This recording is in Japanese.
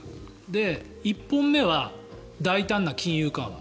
で、１本目は大胆な金融緩和